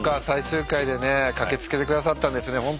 最終回でね駆け付けてくださったんですね。